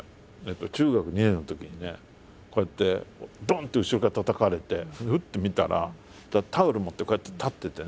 中学２年のときにねこうやってドンッて後ろからたたかれてそれでふって見たらタオル持ってこうやって立っててね